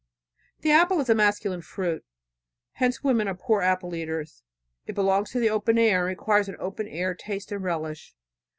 The apple is a masculine fruit; hence women are poor apple eaters. It belongs to the open air, and requires an open air taste and relish.